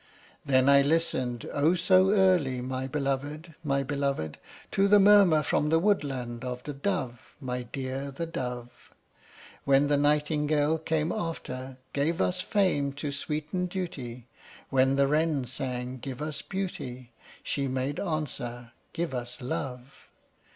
Then I listened, oh! so early, my belovèd, my belovèd, To that murmur from the woodland of the dove, my dear, the dove; When the nightingale came after, "Give us fame to sweeten duty!" When the wren sang, "Give us beauty!" She made answer, "Give us love!"